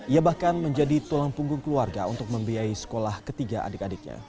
ia bahkan menjadi tulang punggung keluarga untuk membiayai sekolah ketiga adik adiknya